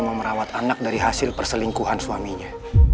memerawat anak dari hasil perselingkuhan suaminya